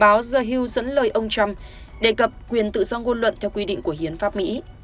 báo zeal dẫn lời ông trump đề cập quyền tự do ngôn luận theo quy định của hiến pháp mỹ